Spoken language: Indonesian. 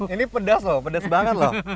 ini pedas loh pedas banget loh